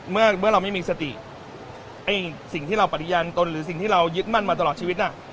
เมื่อเราไม่มีสติไอ้สิ่งที่เราปฏิญาณตนหรือสิ่งที่เรายึดมั่นมาตลอดชีวิตน่ะ